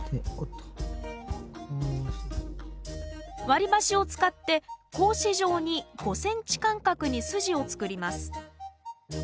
割り箸を使って格子状に５ｃｍ間隔に筋を作ります